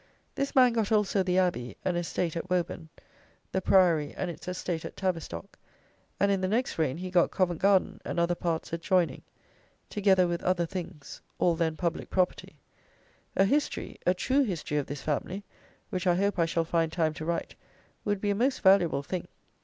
This man got also the abbey and estate at Woburn; the priory and its estate at Tavistock; and in the next reign he got Covent Garden and other parts adjoining; together with other things, all then public property. A history, a true history of this family (which I hope I shall find time to write) would be a most valuable thing.